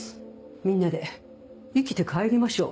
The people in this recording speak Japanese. みんなで生きて帰りましょう。